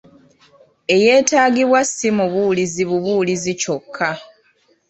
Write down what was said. Eyeetaagibwa si mubuulizi bubuulizi kyokka.